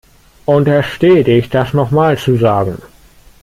Unterstehe dich, das noch mal zu sagen!